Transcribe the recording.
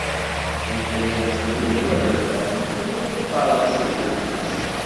Lidya n Tifrit n At Lḥaǧ tella teɣɣar-as i weltma-s.